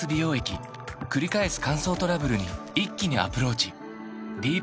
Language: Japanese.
くり返す乾燥トラブルに一気にアプローチ